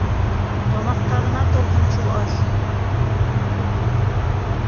Тамаҡтарына торһон шул аш!